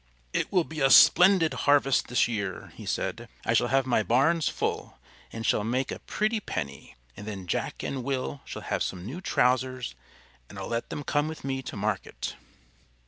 "It will be a splendid harvest this year," he said. "I shall have my barns full, and shall make a pretty penny. And then Jack and Will shall have some new trousers, and I'll let them come with me to market."